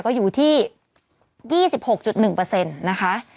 ก็อยู่ที่๒๖๑นะคะ